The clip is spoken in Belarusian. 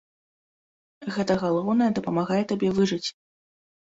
Гэтае галоўнае дапамагае табе выжыць.